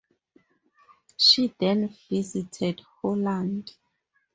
She then visited Holland.